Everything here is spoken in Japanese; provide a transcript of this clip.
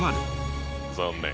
残念。